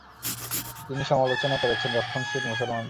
তিনি সমালোচনা করেছেন রক্ষণশীল মুসলমানদের।